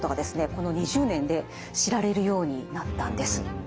この２０年で知られるようになったんです。